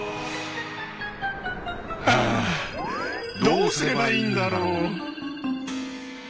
あどうすればいいんだろう？